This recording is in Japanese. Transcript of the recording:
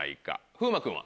風磨君は？